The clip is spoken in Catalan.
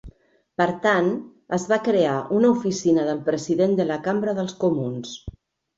Per tant, es va crear una oficina del President de la Cambra dels Comuns.